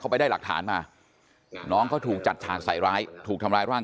ไปได้หลักฐานมาน้องเขาถูกจัดฉากใส่ร้ายถูกทำร้ายร่าง